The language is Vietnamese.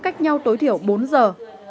cách nhau tối thiểu bốn giờ